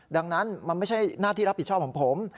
ดังนั้นมันไม่ใช่หน้าที่รับผิดชอบของผม